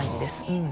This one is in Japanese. うん